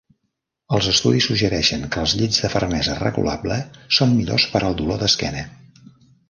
Els estudis suggereixen que els llits de fermesa regulable són millors per al dolor d'esquena.